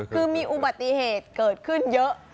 คือมีอุบัติเหตุเกิดขึ้นเยอะ